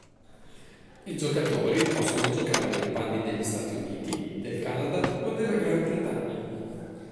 I giocatori possono giocare nei panni degli Stati Uniti, del Canada o della Gran Bretagna.